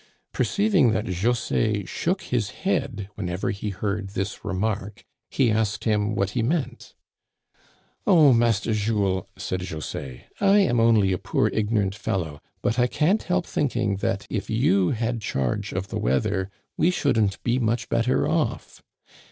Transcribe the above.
Perceiving that José shook his head whenever he heard this remark, he asked him what he meant. " Ob, Master Jules," said José, *' I am only a poor ignorant fellow, but I can't help thinking that if you had charge of the weather we shouldn't be much better off.